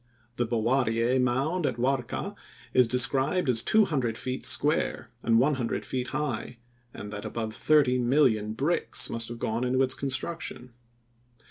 The Bowariyeh mound at Warka is described as two hundred feet square and one hundred feet high and that above thirty million bricks must have gone into its construction.